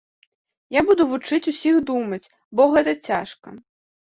Я буду вучыць усіх думаць, бо гэта цяжка.